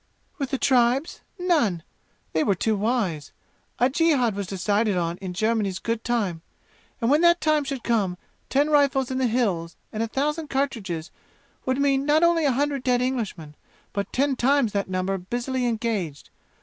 "With the tribes? None! They were too wise. A jihad was decided on in Germany's good time; and when that time should come ten rifles in the 'Hills' and a thousand cartridges would mean not only a hundred dead Englishmen, but ten times that number busily engaged.